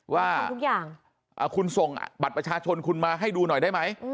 ว่าทุกอย่างคุณส่งบัตรประชาชนคุณมาให้ดูหน่อยได้ไหม